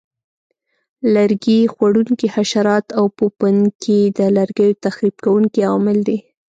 لرګي خوړونکي حشرات او پوپنکي د لرګیو تخریب کوونکي عوامل دي.